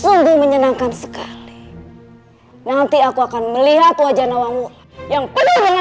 sungguh menyenangkan sekali nanti aku akan melihat wajah nawamu yang penuh dengan